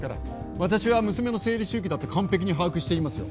私は娘の生理周期だって完璧に把握していますよ。